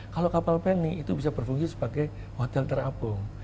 kalau kapal penny itu bisa berfungsi sebagai hotel terapung